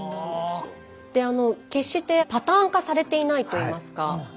決してパターン化されていないといいますか。